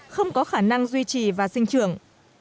không có khả năng duy trì và sinh trưởng